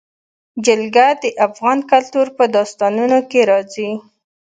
جلګه د افغان کلتور په داستانونو کې راځي.